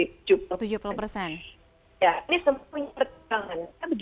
ini sempat punya perjalanan